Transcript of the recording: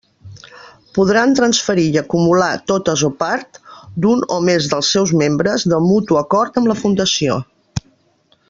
Podran transferir i acumular totes o part, d'un o més dels seus membres, de mutu acord amb la Fundació.